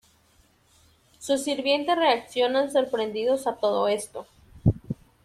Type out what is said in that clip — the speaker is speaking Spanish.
Sus sirvientes reaccionan sorprendidos a todo esto.